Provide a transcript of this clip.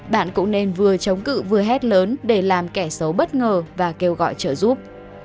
bạn cũng nên vừa chống cự vừa hét lớn để làm kẻ xấu bất ngờ và kêu gọi trợ giúp